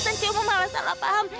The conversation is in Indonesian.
dan kamu malah salah paham